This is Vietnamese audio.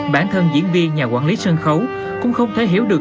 bản thân diễn viên nhà quản lý sân khấu cũng không thể hiểu được